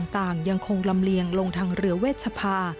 ยังคงลำเลียงลงทางเรือเวชภา